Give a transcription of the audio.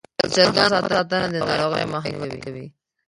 د چرګانو ښه ساتنه د ناروغیو مخنیوی کوي.